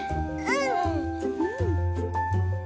うん。